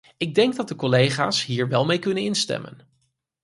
Ik denk dat de collega’s hier wel mee kunnen instemmen.